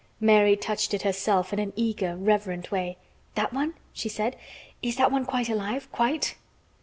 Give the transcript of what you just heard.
Mary touched it herself in an eager, reverent way. "That one?" she said. "Is that one quite alive quite?"